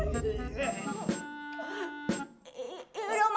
nunggu gimana dia dulu